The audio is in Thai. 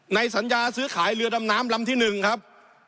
สัญญาซื้อขายเรือดำน้ำลำที่๑ครับ